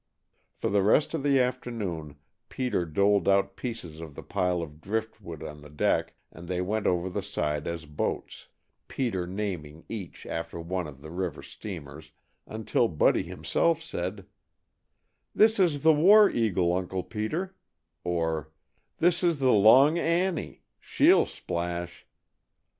For the rest of the afternoon Peter doled out pieces of the pile of driftwood on the deck, and they went over the side as boats, Peter naming each after one of the river steamers, until Buddy himself said, "This is the War Eagle, Uncle Peter," or "This is the Long Annie. She'll splash!"